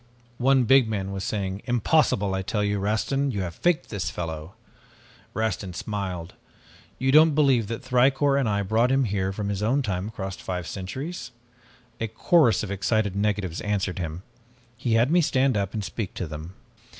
"One big man was saying, 'Impossible! I tell you, Rastin, you have faked this fellow!' "Rastin smiled. 'You don't believe that Thicourt and I brought him here from his own time across five centuries?' "A chorus of excited negatives answered him. He had me stand up and speak to them.